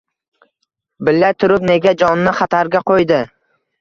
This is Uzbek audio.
Bila turib nega jonini xatarga qoʻydi?